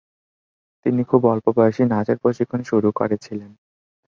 তিনি খুব অল্প বয়সেই নাচের প্রশিক্ষণ শুরু করেছিলেন।